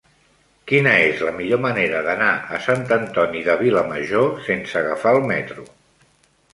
Quina és la millor manera d'anar a Sant Antoni de Vilamajor sense agafar el metro?